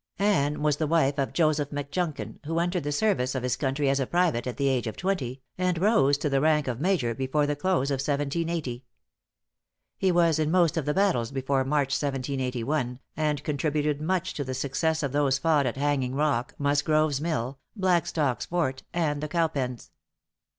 Ann was the wife of Joseph Mcjunkin, who entered the service of his country as a private, at the age of twenty, and rose to the rank of major before the close of 1780. He was in most of the battles before March, 1781, and contributed much to the success of those fought at Hanging Rock, Mus grove's Mill, Blackstock's Fort, and the Cowpens.